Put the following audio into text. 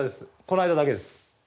この間だけです。